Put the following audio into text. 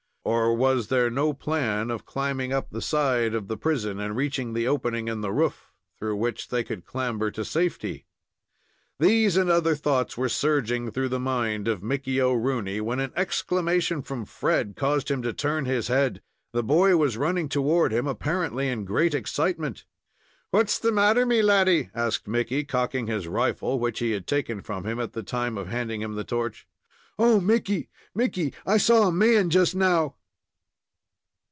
Or was there no plan of climbing up the side of the prison and reaching an opening in the roof, through which they could clamber to safety? These and other thoughts were surging through the mind of Mickey O'Rooney, when an exclamation from Fred caused him to turn his head. The boy was running toward him, apparently in great excitement. "What's the matter, me laddy?" asked Mickey, cocking his rifle, which he had taken from him at the time of handing him the torch. "Oh, Mickey, Mickey! I saw a man just now!"